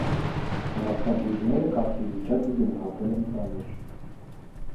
Անասնաբույժները կատվի վիճակը գնահատել են ծանր։